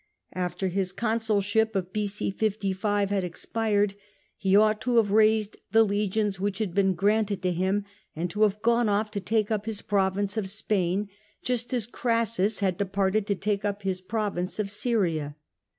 After his consulship of B.c. 55 had ex pired, he ought to have raised the legions which had been granted to him and to have gone off to take up his province of Spain, just as Crassus had departed to take up hi^ province of Syria.